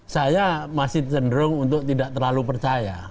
saya masih cenderung untuk tidak terlalu percaya